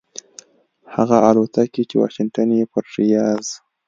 هغه الوتکې چې واشنګټن یې پر ریاض